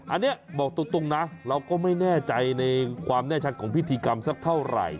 อันนี้บอกตรงนะเราก็ไม่แน่ใจในความแน่ชัดของพิธีกรรมสักเท่าไหร่